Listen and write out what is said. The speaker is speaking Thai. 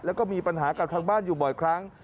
แล้วก็มีปัญหากับทางบ้านอยู่บ่อยครั้ง